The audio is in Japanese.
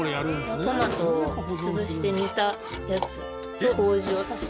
トマトを潰して煮たやつと麹を足した。